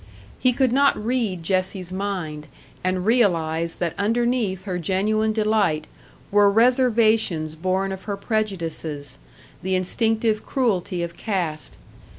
He could not read Jessie's mind, and realise that underneath her genuine delight were reservations born of her prejudices, the instinctive cruelty of caste.